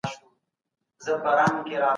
دا شورا د هيواد لپاره ډېره ګټوره ده.